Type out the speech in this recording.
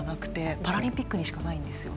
パラリンピックにしかないんですよね。